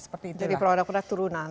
jadi produk produk turunan